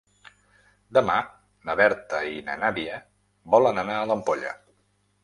Demà na Berta i na Nàdia volen anar a l'Ampolla.